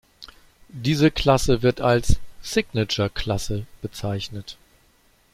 Diese Klasse wird als Signature-Klasse bezeichnet.